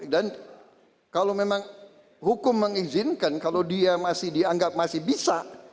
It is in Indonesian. dan kalau memang hukum mengizinkan kalau dia masih dianggap masih bisa